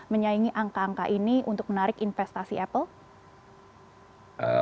menyaingi angka angka ini untuk menarik investasi apple